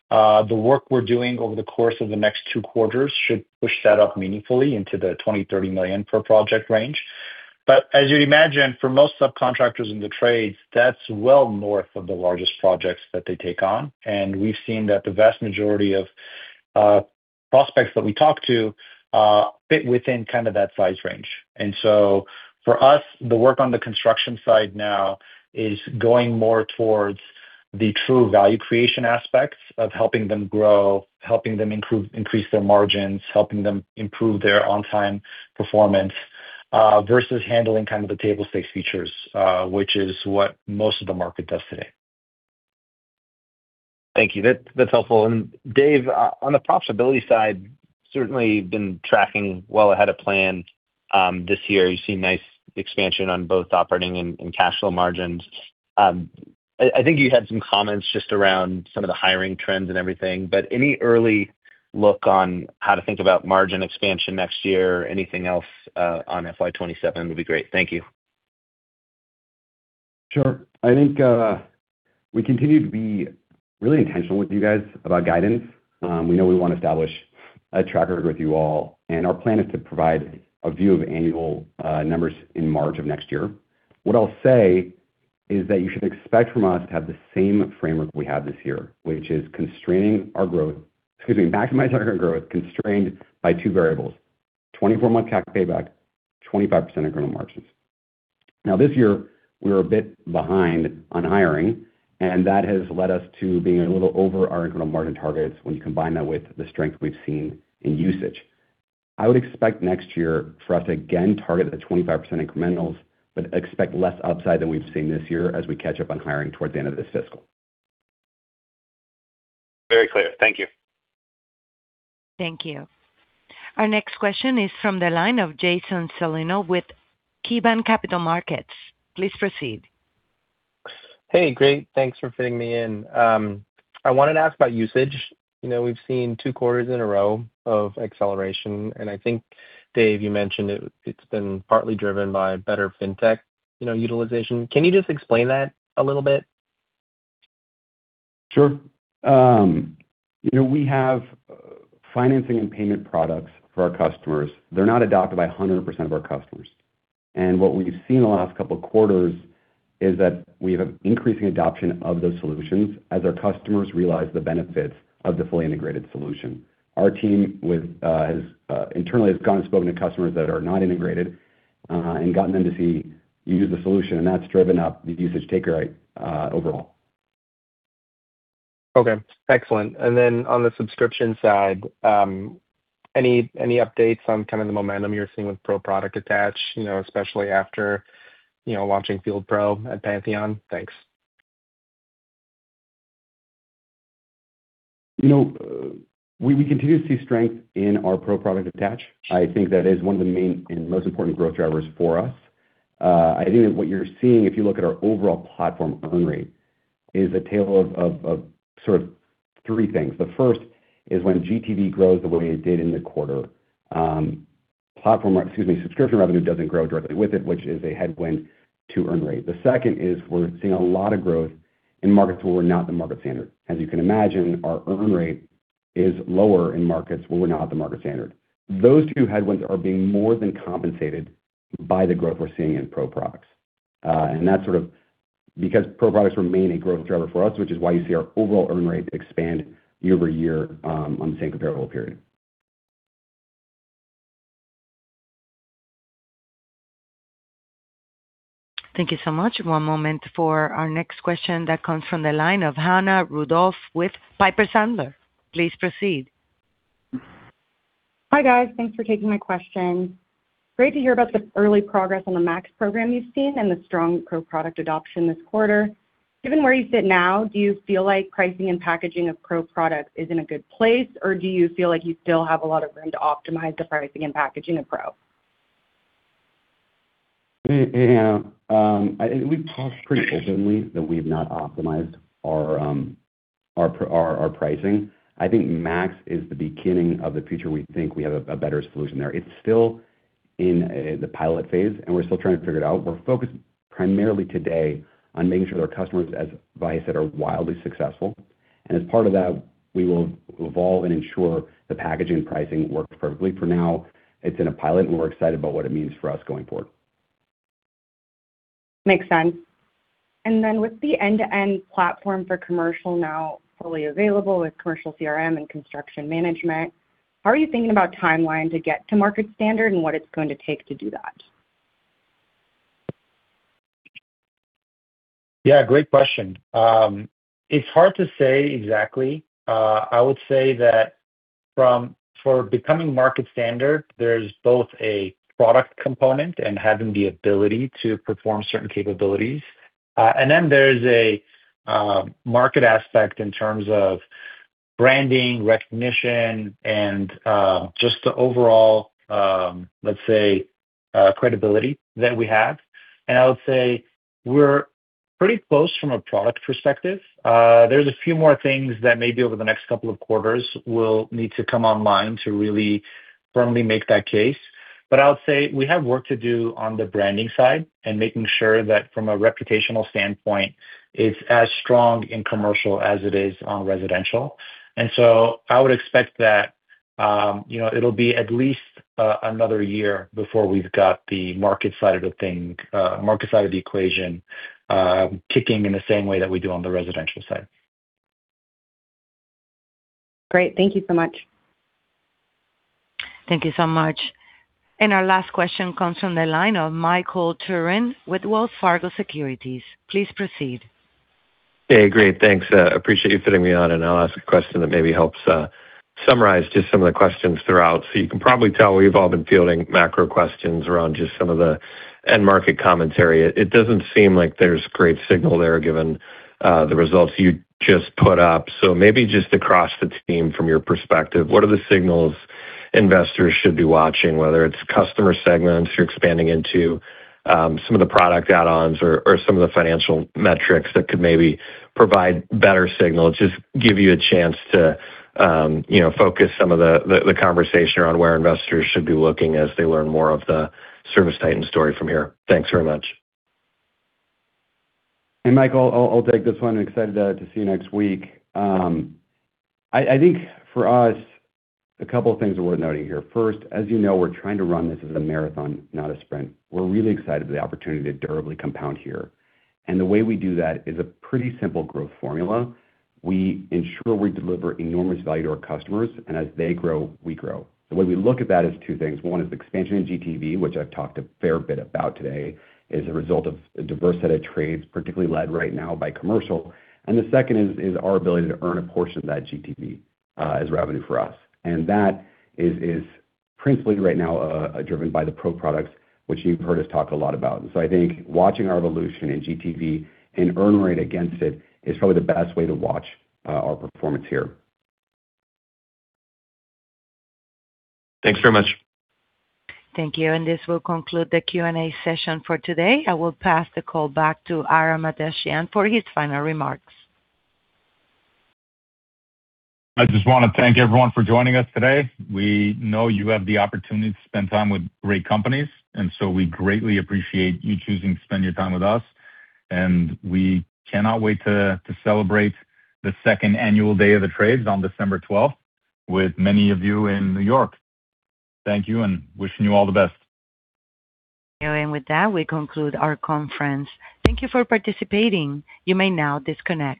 The work we're doing over the course of the next two quarters should push that up meaningfully into the 20-30 million per-project range. But as you'd imagine, for most subcontractors in the trades, that's well north of the largest projects that they take on. And we've seen that the vast majority of prospects that we talk to fit within kind of that size range. And so for us, the work on the construction side now is going more towards the true value creation aspects of helping them grow, helping them increase their margins, helping them improve their on-time performance versus handling kind of the table stakes features, which is what most of the market does today. Thank you. That's helpful, and Dave, on the profitability side, certainly been tracking well ahead of plan this year. You've seen nice expansion on both operating and cash flow margins. I think you had some comments just around some of the hiring trends and everything, but any early look on how to think about margin expansion next year or anything else on FY27 would be great. Thank you. Sure. I think we continue to be really intentional with you guys about guidance. We know we want to establish a track record with you all. And our plan is to provide a view of annual numbers in March of next year. What I'll say is that you should expect from us to have the same framework we have this year, which is constraining our growth, excuse me, maximizing our growth, constrained by two variables: 24-month cap payback, 25% incremental margins. Now, this year, we were a bit behind on hiring, and that has led us to being a little over our incremental margin targets when you combine that with the strength we've seen in usage. I would expect next year for us to again target the 25% incrementals, but expect less upside than we've seen this year as we catch up on hiring towards the end of this fiscal. Very clear. Thank you. Thank you. Our next question is from the line of Jason Celino with KeyBanc Capital Markets. Please proceed. Hey, great. Thanks for fitting me in. I wanted to ask about usage. We've seen two quarters in a row of acceleration, and I think, Dave, you mentioned it's been partly driven by better fintech utilization. Can you just explain that a little bit? Sure. We have financing and payment products for our customers. They're not adopted by 100% of our customers. And what we've seen in the last couple of quarters is that we have an increasing adoption of those solutions as our customers realize the benefits of the fully integrated solution. Our team internally has gone and spoken to customers that are not integrated and gotten them to use the solution. And that's driven up the usage takeover overall. Okay. Excellent. And then on the subscription side, any updates on kind of the momentum you're seeing with Pro product attach, especially after launching Field Pro at Pantheon? Thanks. We continue to see strength in our Pro product attach. I think that is one of the main and most important growth drivers for us. I think that what you're seeing, if you look at our overall platform earn rate, is a tale of sort of three things. The first is when GTV grows the way it did in the quarter, platform, excuse me, subscription revenue doesn't grow directly with it, which is a headwind to earn rate. The second is we're seeing a lot of growth in markets where we're not the market standard. As you can imagine, our earn rate is lower in markets where we're not the market standard. Those two headwinds are being more than compensated by the growth we're seeing in Pro products. That's sort of because ProProducts remain a growth driver for us, which is why you see our overall earn rate expand year over year on the same comparable period. Thank you so much. One moment for our next question that comes from the line of Hannah Rudoff with Piper Sandler. Please proceed. Hi guys. Thanks for taking my question. Great to hear about the early progress on the MAX program you've seen and the strong Pro product adoption this quarter. Given where you sit now, do you feel like pricing and packaging of Pro product is in a good place, or do you feel like you still have a lot of room to optimize the pricing and packaging of Pro? We've talked pretty openly that we've not optimized our pricing. I think Max is the beginning of the future. We think we have a better solution there. It's still in the pilot phase, and we're still trying to figure it out. We're focused primarily today on making sure that our customers, as Vahe said, are wildly successful, and as part of that, we will evolve and ensure the packaging and pricing work perfectly. For now, it's in a pilot, and we're excited about what it means for us going forward. Makes sense. And then with the end-to-end platform for commercial now fully available with commercial CRM and construction management, how are you thinking about timeline to get to market standard and what it's going to take to do that? Yeah. Great question. It's hard to say exactly. I would say that for becoming market standard, there's both a product component and having the ability to perform certain capabilities. And then there's a market aspect in terms of branding, recognition, and just the overall, let's say, credibility that we have. And I would say we're pretty close from a product perspective. There's a few more things that maybe over the next couple of quarters will need to come online to really firmly make that case. But I would say we have work to do on the branding side and making sure that from a reputational standpoint, it's as strong in commercial as it is on residential. And so I would expect that it'll be at least another year before we've got the market side of the thing, market side of the equation kicking in the same way that we do on the residential side. Great. Thank you so much. Thank you so much. And our last question comes from the line of Michael Turrin with Wells Fargo Securities. Please proceed. Hey, great. Thanks. Appreciate you fitting me on. And I'll ask a question that maybe helps summarize just some of the questions throughout. So you can probably tell we've all been fielding macro questions around just some of the end-market commentary. It doesn't seem like there's great signal there given the results you just put up. So maybe just across the team from your perspective, what are the signals investors should be watching, whether it's customer segments you're expanding into, some of the product add-ons, or some of the financial metrics that could maybe provide better signal? Just give you a chance to focus some of the conversation around where investors should be looking as they learn more of the ServiceTitan story from here. Thanks very much. Hey, Michael. I'll take this one. I'm excited to see you next week. I think for us, a couple of things are worth noting here. First, as you know, we're trying to run this as a marathon, not a sprint. We're really excited by the opportunity to durably compound here. And the way we do that is a pretty simple growth formula. We ensure we deliver enormous value to our customers. And as they grow, we grow. The way we look at that is two things. One is expansion in GTV, which I've talked a fair bit about today, is a result of a diverse set of trades, particularly led right now by commercial. And the second is our ability to earn a portion of that GTV as revenue for us. And that is principally right now driven by the Pro products, which you've heard us talk a lot about. I think watching our evolution in GTV and earn rate against it is probably the best way to watch our performance here. Thanks very much. Thank you. And this will conclude the Q&A session for today. I will pass the call back to Ara Mahdessian for his final remarks. I just want to thank everyone for joining us today. We know you have the opportunity to spend time with great companies. And so we greatly appreciate you choosing to spend your time with us. And we cannot wait to celebrate the second annual Day of the Trades on December 12th with many of you in New York. Thank you and wishing you all the best. With that, we conclude our conference. Thank you for participating. You may now disconnect.